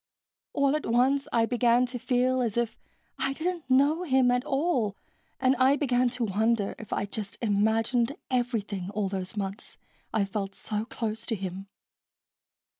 All at once I began to feel as if I didn't know him at all and I began to wonder if I'd just imagined everything all those months I felt so close to him.